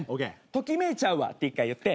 「ときめいちゃうわ」って１回言って。